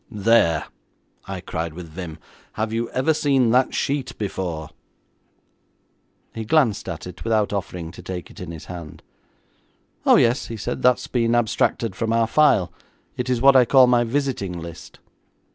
'There!' I cried with vim, 'have you ever seen that sheet before?' He glanced at it without offering to take it in his hand. 'Oh, yes,' he said, 'that has been abstracted from our file. It is what I call my visiting list.'